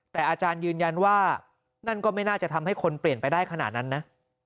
แต่อาจารย์ยืนยันว่านั่นก็ไม่น่าจะทำให้คนเปลี่ยนไปได้ขนาดนั้นนะ